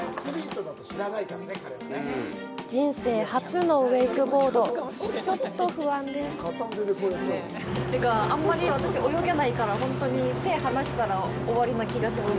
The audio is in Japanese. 人生初のウェイクボード、ちょっと不安ですというか、あんまり私、泳げないから、ほんとに手を離したら終わりな気がします。